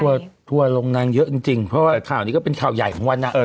ทัวร์วันนี้ทัวร์ลงนั่งเยอะจริงเพราะว่าข่าวนี้ก็เป็นข่าวใหญ่ของวันนั้น